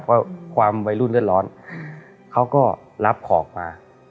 เพราะความวัยรุ่นเลือดร้อนเขาก็รับของมา